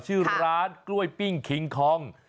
ชื่อร้านกล้วยปิ้งคิงคอง